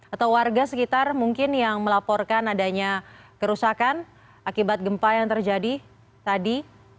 atau warga sekitar mungkin yang melaporkan adanya kerusakan akibat gempa yang terjadi tadi